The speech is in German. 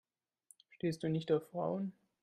Stehst du nicht auf Frauen?